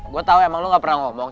gua tau emang lo ga pernah ngomong